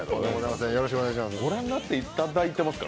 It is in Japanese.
ご覧になっていただいてますか？